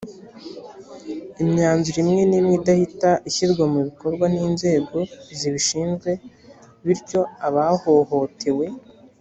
imyanzuro imwe n imwe idahita ishyirwa mu bikorwa n inzego zibishinzwe bityo abahohotewe